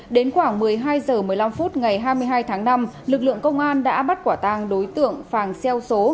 đến khoảng một mươi hai h một mươi năm phút ngày hai mươi hai tháng năm lực lượng công an đã bắt quả tang đối tượng phàng xeo số